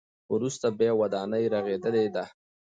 وروسته بیا ودانۍ رغېدلې ده.